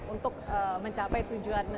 untuk mencapai tujuan